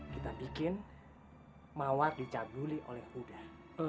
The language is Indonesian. kita bikin mawar dicabuli oleh udah